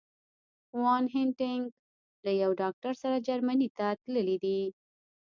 وان هینټیګ له یو ډاکټر سره جرمني ته تللي دي.